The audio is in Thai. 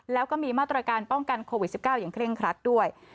แล้วก็มีมาตรการป้องกันโควิด๑๙อย่างเคร่งครัดด้วย